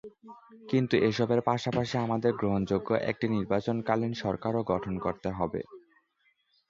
কিন্তু এসবের পাশাপাশি আমাদের গ্রহণযোগ্য একটি নির্বাচনকালীন সরকারও গঠন করতে হবে।